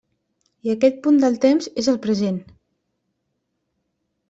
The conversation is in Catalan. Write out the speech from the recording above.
I aquest punt del temps és el present.